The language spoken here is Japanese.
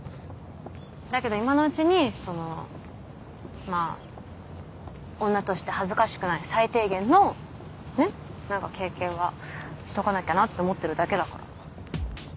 だけど今のうちにそのまあ女として恥ずかしくない最低限のねっ何か経験はしとかなきゃなって思ってるだけだから。